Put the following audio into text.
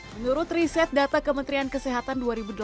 menurut riset data kementerian kesehatan dua ribu delapan belas